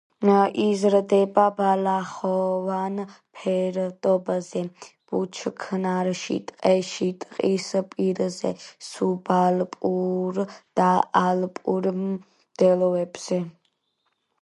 იზრდება ბალახოვან ფერდობებზე, ბუჩქნარებში, ტყეებში, ტყის პირებზე, სუბალპურ და ალპურ მდელოებზე.